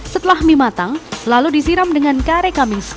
setelah mie matang lalu disiram dengan kare kamis